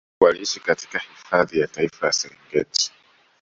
Waliishi katika hifadhi ya Taifa ya Serengeti